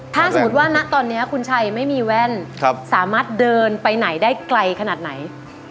ถ้าสมมุติว่าณตอนนี้คุณชัยไม่มีแว่นสามารถเดินไปไหนได้ไกลขนาดไหน